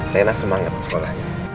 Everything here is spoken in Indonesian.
lena semangat sekolahnya